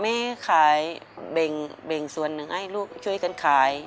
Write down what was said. แม่ขายเบ่งส่วนหนึ่งให้ลูกช่วยกันขาย